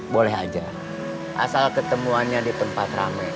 boleh saja asal ketemuannya di tempat ramai